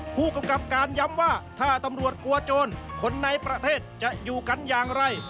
ผู้กำกับการย้ำว่าถ้าตำรวจกลัวโจรคนในประเทศจะอยู่กันอย่างไร